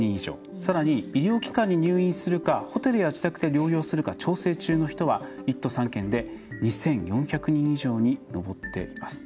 さらに医療機関に入院するかホテルや自宅で療養するか調整中の人は１都３県で２４００人以上に上っています。